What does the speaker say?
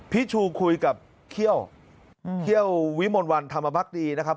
พี่ชูคุยกับเขี้ยวเขี้ยววิมลวันธรรมพักดีนะครับ